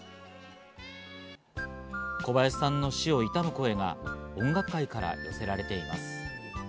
小林さんの死を悼む声が音楽界から寄せられています。